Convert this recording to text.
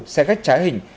xe khách trái hình